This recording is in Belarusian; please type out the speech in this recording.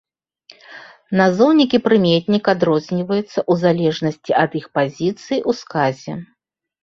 Назоўнік і прыметнік адрозніваюцца ў залежнасці ад іх пазіцыі ў сказе.